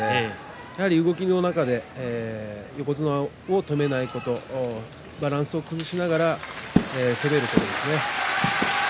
やはり動きの中で横綱を止めないことバランスを崩しながら攻めることですね。